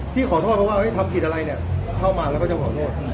ที่ขอโทษเพราะว่าทำผิดอะไรเนี่ยเข้ามาแล้วก็จะขอโทษ